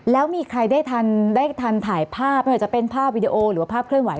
แล้วมีใครได้ทันถ่ายภาพให้จะเป็นภาพวิดีโอหรือว่าภาพเครื่องไหว